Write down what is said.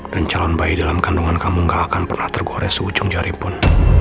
dan calon bayi dalam kandungan kamu gak akan pernah tergores seucung jaripun